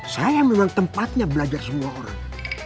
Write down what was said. saya memang tempatnya belajar semua orang